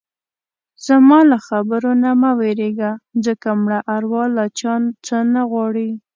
زما له خبرو نه مه وېرېږه ځکه مړه اروا له چا څه نه غواړي.